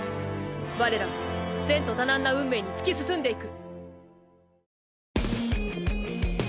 我らは前途多難な運命に突き進んでいく！